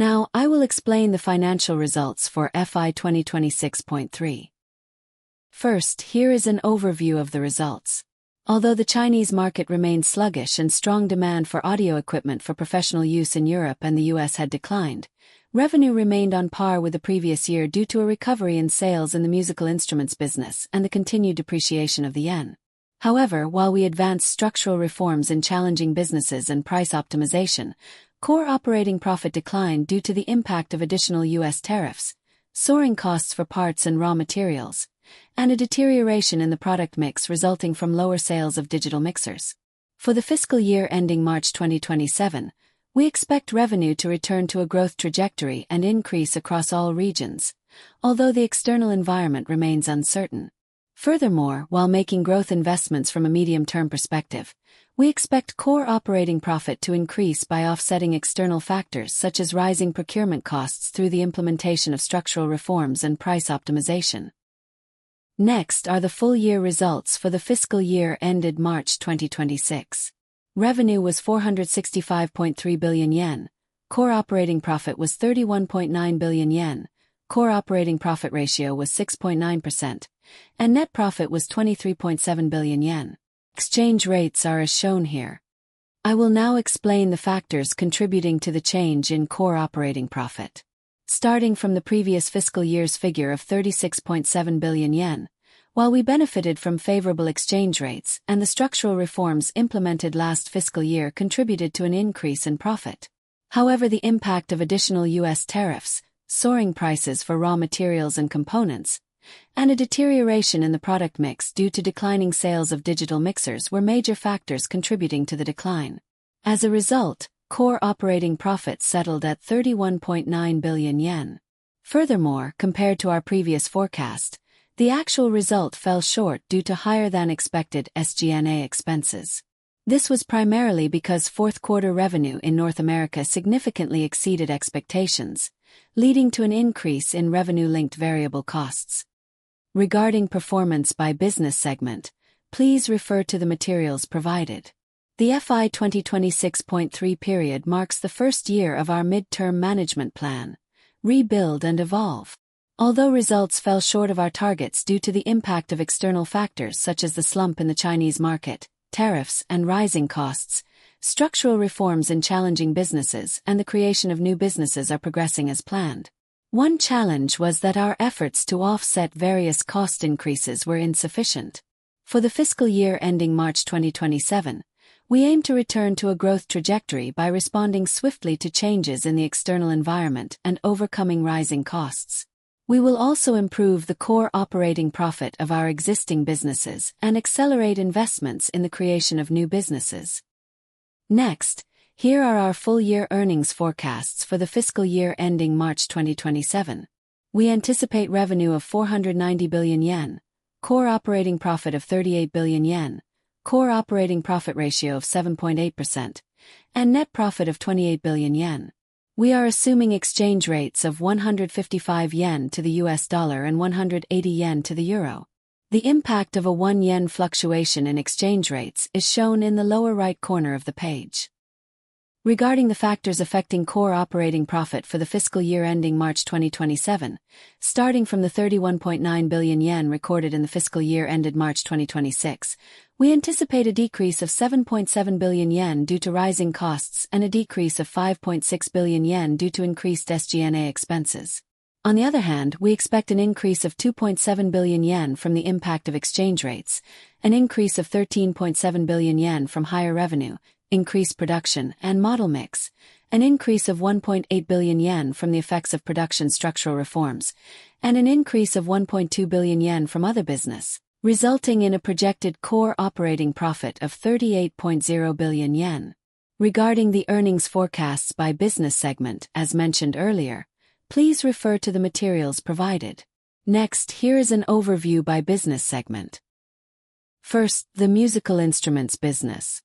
I will explain the financial results for FY 2026.3. First, here is an overview of the results. Although the Chinese market remained sluggish and strong demand for audio equipment for professional use in Europe and the U.S. had declined, revenue remained on par with the previous year due to a recovery in sales in the musical instruments business and the continued depreciation of the yen. While we advanced structural reforms in challenging businesses and price optimization, core operating profit declined due to the impact of additional U.S. tariffs, soaring costs for parts and raw materials, and a deterioration in the product mix resulting from lower sales of digital mixers. For the fiscal year ending March 2027, we expect revenue to return to a growth trajectory and increase across all regions, although the external environment remains uncertain. Furthermore, while making growth investments from a medium-term perspective, we expect core operating profit to increase by offsetting external factors such as rising procurement costs through the implementation of structural reforms and price optimization. Next are the full year results for the fiscal year ended March 2026. Revenue was 465.3 billion yen, core operating profit was 31.9 billion yen, core operating profit ratio was 6.9%, and net profit was 23.7 billion yen. Exchange rates are as shown here. I will now explain the factors contributing to the change in core operating profit. Starting from the previous fiscal year's figure of 36.7 billion yen, while we benefited from favorable exchange rates and the structural reforms implemented last fiscal year contributed to an increase in profit. The impact of additional U.S. tariffs, soaring prices for raw materials and components, and a deterioration in the product mix due to declining sales of digital mixers were major factors contributing to the decline. As a result, core operating profit settled at 31.9 billion yen. Compared to our previous forecast, the actual result fell short due to higher-than-expected SG&A expenses. This was primarily because fourth quarter revenue in North America significantly exceeded expectations, leading to an increase in revenue-linked variable costs. Regarding performance by business segment, please refer to the materials provided. The FY 2026.3 period marks the first year of our midterm management plan, Rebuild & Evolve. Although results fell short of our targets due to the impact of external factors such as the slump in the Chinese market, tariffs, and rising costs, structural reforms in challenging businesses and the creation of new businesses are progressing as planned. One challenge was that our efforts to offset various cost increases were insufficient. For the fiscal year ending March 2027, we aim to return to a growth trajectory by responding swiftly to changes in the external environment and overcoming rising costs. We will also improve the core operating profit of our existing businesses and accelerate investments in the creation of new businesses. Next, here are our full-year earnings forecasts for the fiscal year ending March 2027. We anticipate revenue of 490 billion yen, core operating profit of 38 billion yen, core operating profit ratio of 7.8%, and net profit of 28 billion yen. We are assuming exchange rates of 155 yen to the US dollar and 180 yen to the euro. The impact of a one yen fluctuation in exchange rates is shown in the lower right corner of the page. Regarding the factors affecting core operating profit for the fiscal year ending March 2027, starting from the 31.9 billion yen recorded in the fiscal year ended March 2026, we anticipate a decrease of 7.7 billion yen due to rising costs and a decrease of 5.6 billion yen due to increased SG&A expenses. On the other hand, we expect an increase of 2.7 billion yen from the impact of exchange rates, an increase of 13.7 billion yen from higher revenue, increased production, and model mix, an increase of 1.8 billion yen from the effects of production structural reforms, and an increase of 1.2 billion yen from other business, resulting in a projected core operating profit of 38.0 billion yen. Regarding the earnings forecasts by business segment, as mentioned earlier, please refer to the materials provided. Here is an overview by business segment. First, the musical instruments business.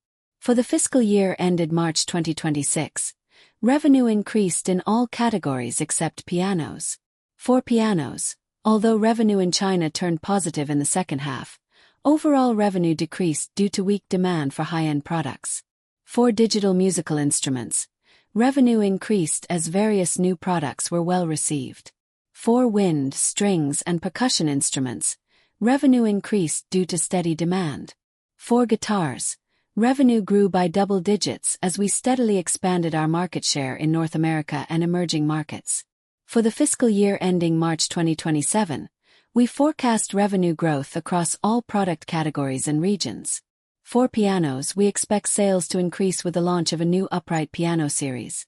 For the fiscal year ended March 2026, revenue increased in all categories except pianos. For pianos, although revenue in China turned positive in the second half, overall revenue decreased due to weak demand for high-end products. For digital musical instruments, revenue increased as various new products were well-received. For wind, strings, and percussion instruments, revenue increased due to steady demand. For guitars, revenue grew by double digits as we steadily expanded our market share in North America and emerging markets. For the fiscal year ending March 2027, we forecast revenue growth across all product categories and regions. For pianos, we expect sales to increase with the launch of a new upright piano series.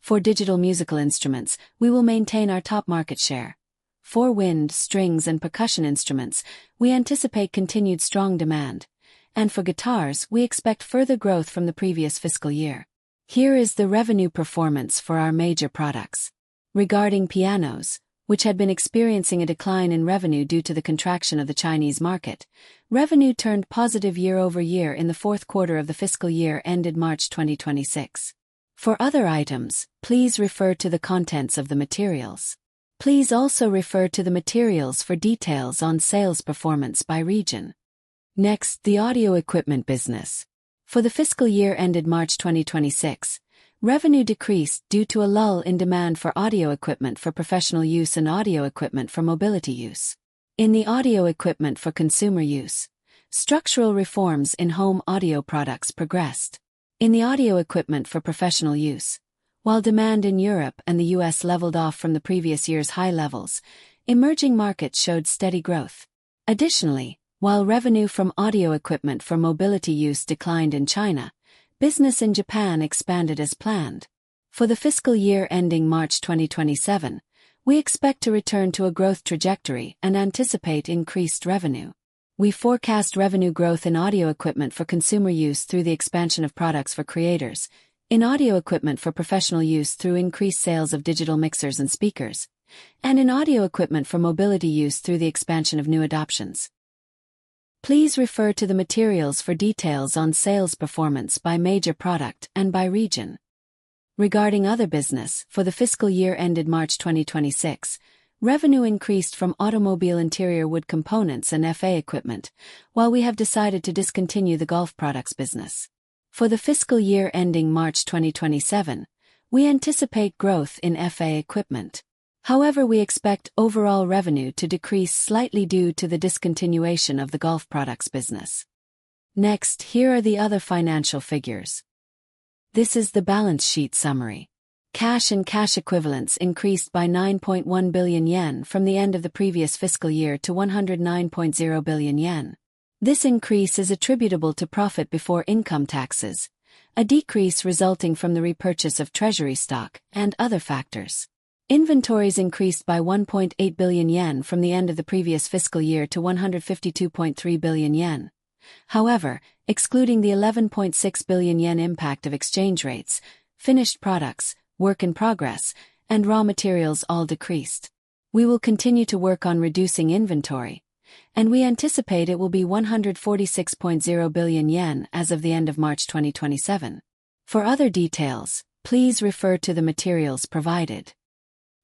For digital musical instruments, we will maintain our top market share. For wind, strings, and percussion instruments, we anticipate continued strong demand. For guitars, we expect further growth from the previous fiscal year. Here is the revenue performance for our major products. Regarding pianos, which had been experiencing a decline in revenue due to the contraction of the Chinese market, revenue turned positive year-over-year in the fourth quarter of the fiscal year ended March 2026. For other items, please refer to the contents of the materials. Please also refer to the materials for details on sales performance by region. The audio equipment business. For the fiscal year ended March 2026, revenue decreased due to a lull in demand for audio equipment for professional use and audio equipment for mobility use. In the audio equipment for consumer use, structural reforms in home audio products progressed. In the audio equipment for professional use, while demand in Europe and the U.S. leveled off from the previous year's high levels, emerging markets showed steady growth. Additionally, while revenue from audio equipment for mobility use declined in China, business in Japan expanded as planned. For the fiscal year ending March 2027, we expect to return to a growth trajectory and anticipate increased revenue. We forecast revenue growth in audio equipment for consumer use through the expansion of products for creators, in audio equipment for professional use through increased sales of digital mixers and speakers, and in audio equipment for mobility use through the expansion of new adoptions. Please refer to the materials for details on sales performance by major product and by region. Regarding other business, for the fiscal year ended March 2026, revenue increased from automobile interior wood components and FA equipment, while we have decided to discontinue the golf products business. For the fiscal year ending March 2027, we anticipate growth in FA equipment. However, we expect overall revenue to decrease slightly due to the discontinuation of the golf products business. Next, here are the other financial figures. This is the balance sheet summary. Cash and cash equivalents increased by 9.1 billion yen from the end of the previous fiscal year to 109.0 billion yen. This increase is attributable to profit before income taxes, a decrease resulting from the repurchase of treasury stock, and other factors. Inventories increased by 1.8 billion yen from the end of the previous fiscal year to 152.3 billion yen. However, excluding the 11.6 billion yen impact of exchange rates, finished products, work in progress, and raw materials all decreased. We will continue to work on reducing inventory, and we anticipate it will be 146.0 billion yen as of the end of March 2027. For other details, please refer to the materials provided.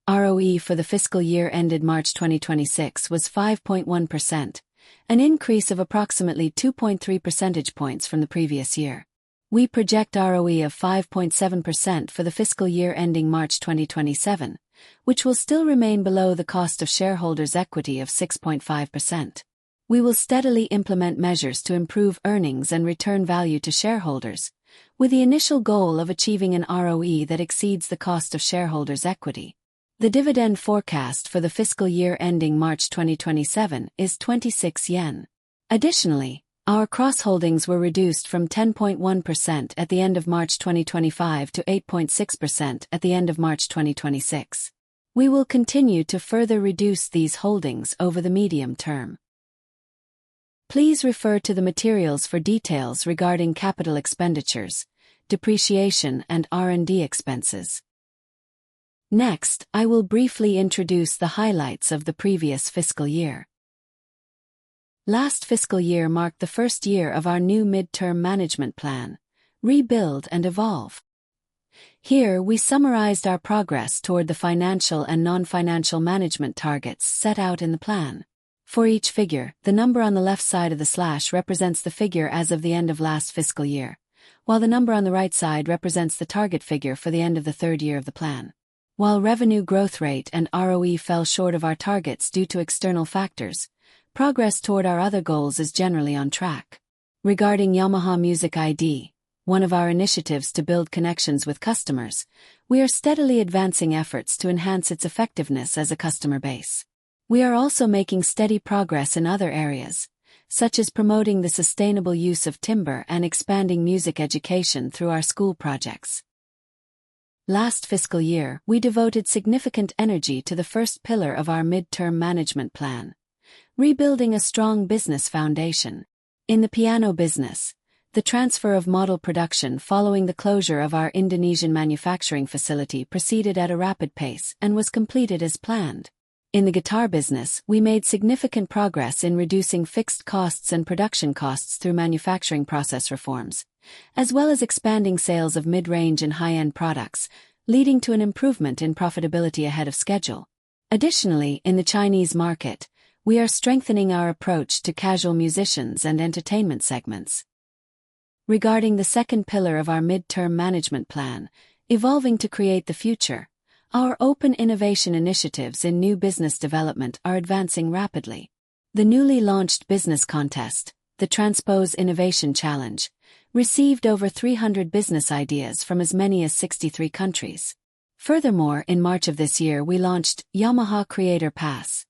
ROE for the fiscal year ended March 2026 was 5.1%, an increase of approximately 2.3 percentage points from the previous year. We project ROE of 5.7% for the fiscal year ending March 2027, which will still remain below the cost of shareholders' equity of 6.5%. We will steadily implement measures to improve earnings and return value to shareholders, with the initial goal of achieving an ROE that exceeds the cost of shareholders' equity. The dividend forecast for the fiscal year ending March 2027 is 26 yen. Additionally, our cross-holdings were reduced from 10.1% at the end of March 2025 to 8.6% at the end of March 2026. We will continue to further reduce these holdings over the medium term. Please refer to the materials for details regarding capital expenditures, depreciation, and R&D expenses. Next, I will briefly introduce the highlights of the previous fiscal year. Last fiscal year marked the first year of our new midterm management plan, Rebuild & Evolve. Here, we summarized our progress toward the financial and non-financial management targets set out in the plan. For each figure, the number on the left side of the slash represents the figure as of the end of last fiscal year, while the number on the right side represents the target figure for the end of the third year of the plan. While revenue growth rate and ROE fell short of our targets due to external factors, progress toward our other goals is generally on track. Regarding Yamaha Music ID, one of our initiatives to build connections with customers, we are steadily advancing efforts to enhance its effectiveness as a customer base. We are also making steady progress in other areas, such as promoting the sustainable use of timber and expanding music education through our school projects. Last fiscal year, we devoted significant energy to the first pillar of our midterm management plan, rebuilding a strong business foundation. In the piano business, the transfer of model production following the closure of our Indonesian manufacturing facility proceeded at a rapid pace and was completed as planned. In the guitar business, we made significant progress in reducing fixed costs and production costs through manufacturing process reforms, as well as expanding sales of mid-range and high-end products, leading to an improvement in profitability ahead of schedule. Additionally, in the Chinese market, we are strengthening our approach to casual musicians and entertainment segments. Regarding the second pillar of our midterm management plan, evolving to create the future, our open innovation initiatives in new business development are advancing rapidly. The newly launched business contest, the TRANSPOSE Innovation Challenge, received over 300 business ideas from as many as 63 countries. Furthermore, in March of this year, we launched Yamaha Creator Pass,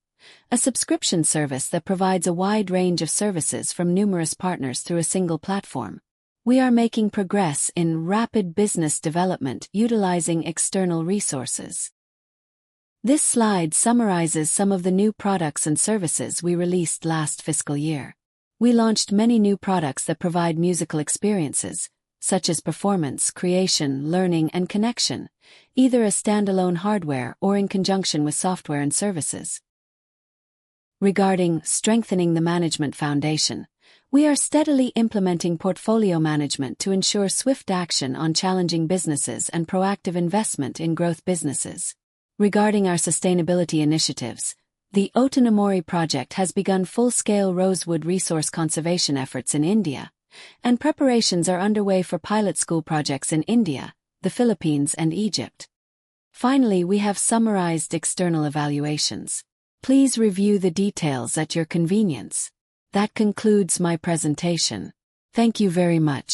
a subscription service that provides a wide range of services from numerous partners through a single platform. We are making progress in rapid business development utilizing external resources. This slide summarizes some of the new products and services we released last fiscal year. We launched many new products that provide musical experiences, such as performance, creation, learning, and connection, either as standalone hardware or in conjunction with software and services. Regarding strengthening the management foundation, we are steadily implementing portfolio management to ensure swift action on challenging businesses and proactive investment in growth businesses. Regarding our sustainability initiatives, the Otonomori Project has begun full-scale rosewood resource conservation efforts in India, and preparations are underway for pilot school projects in India, the Philippines, and Egypt. Finally, we have summarized external evaluations. Please review the details at your convenience. That concludes my presentation. Thank you very much